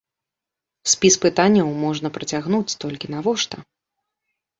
Спіс пытанняў можна працягнуць, толькі навошта?